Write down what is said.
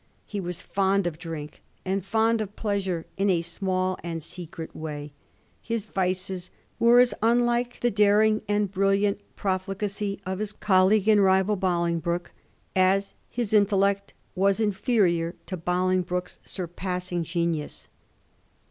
He was fond of drink and fond of pleasure in a small and secret way ; his vices were as unlike the daring and brilliant profligacy of his colleague and rival Bolingbroke as his intellect was inferior to Bolingbroke's surpassing genius.